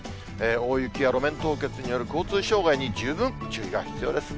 大雪や路面凍結による交通障害に十分注意が必要です。